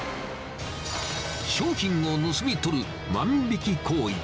商品を盗み取る万引き行為。